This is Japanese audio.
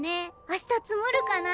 明日積もるかな？